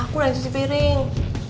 aku yang cuci piring